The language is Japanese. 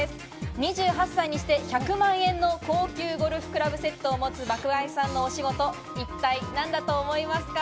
２８歳にして１００万円の高級ゴルフクラブセットを持つ爆買いさんのお仕事、一体何だと思いますか？